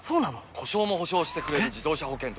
故障も補償してくれる自動車保険といえば？